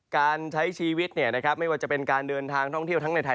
การใช้ชีวิตไม่ว่าจะเป็นการเดินทางท่องเที่ยวทั้งในไทย